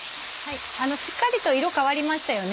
しっかりと色変わりましたよね。